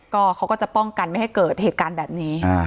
ก็เขาก็จะป้องกันไม่ให้เกิดเหตุการณ์แบบนี้